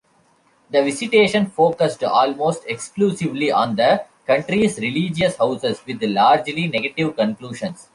The visitation focussed almost exclusively on the country's religious houses, with largely negative conclusions.